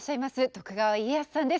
徳川家康さんです。